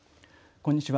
こんにちは。